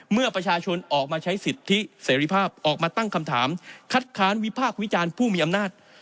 เมื่อประชาชนออกมาใช้สิทธิเสรีภาพออกมาตั้งคำถามคัดค้านวิพากษ์วิจารณ์ผู้มีอำนาจ